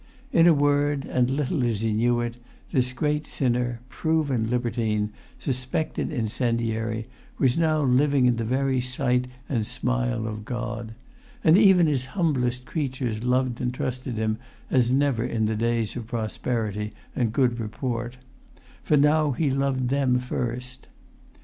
In a word, and little as he knew it, this great sinner, proven libertine, suspected incendiary, was now living in the very sight and smile of God; and even His humblest creatures loved and[Pg 244] trusted him as never in the days of prosperity and good report; for now he loved them first.